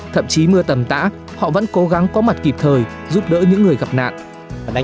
thậm chí mưa tầm tã họ vẫn cố gắng có mặt kịp thời giúp đỡ những người gặp nạn